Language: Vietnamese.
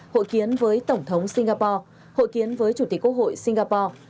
hội kiến với tổng thống singapore hội kiến với chủ tịch quốc hội singapore